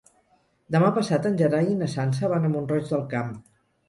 Demà passat en Gerai i na Sança van a Mont-roig del Camp.